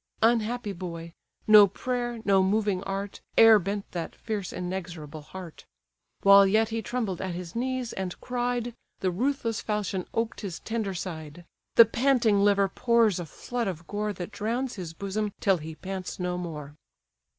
Unhappy boy! no prayer, no moving art, E'er bent that fierce, inexorable heart! While yet he trembled at his knees, and cried, The ruthless falchion oped his tender side; The panting liver pours a flood of gore That drowns his bosom till he pants no more.